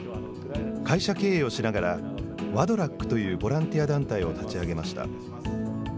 会社経営をしながら、ワドラックというボランティア団体を立ち上げました。